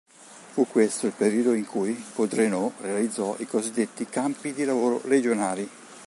Fu questo il periodo in cui Codreanu realizzò i cosiddetti "campi di lavoro legionari".